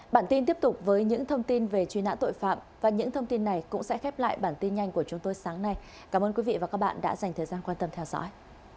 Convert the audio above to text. bản tin tiếp tục với những thông tin về truy nã tội phạm và những thông tin này cũng sẽ khép lại bản tin nhanh của chúng tôi sáng nay cảm ơn quý vị và các bạn đã dành thời gian quan tâm theo dõi